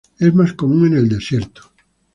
Es más común en el desierto.